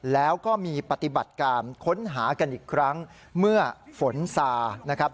แล้วก็มีปฏิบัติการค้นหากันอีกครั้งเมื่อฝนซานะครับ